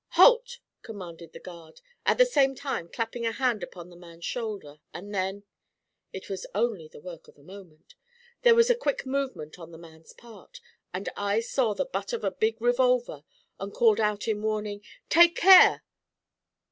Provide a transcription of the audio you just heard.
'Halt!' commanded the guard, at the same time clapping a hand upon the man's shoulder, and then It was only the work of a moment. There was a quick movement on the man's part, and I saw the butt of a big revolver, and called out in warning: 'Take care!'